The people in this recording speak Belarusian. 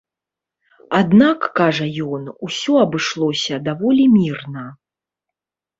Аднак, кажа ён, усё абышлося даволі мірна.